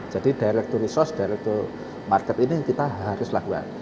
jadi dari resource dari market ini kita harus lakukan